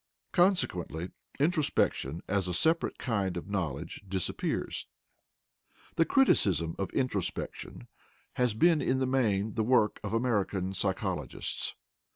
Consequently introspection as a separate kind of knowledge disappears. The criticism of introspection has been in the main the work of American psychologists.